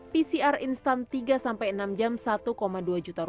pcr instan tiga sampai enam jam rp satu dua juta